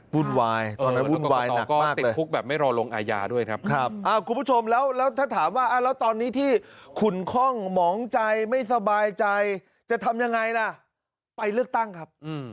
วุ่นวายตอนนั้นวุ่นวายหนักมากเลยก็ติดคุกแบบไม่รองลงอายาด้วยครับ